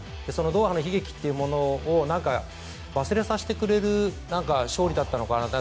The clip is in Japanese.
ドーハの悲劇というものを忘れさせてくれる勝利だったのかなと。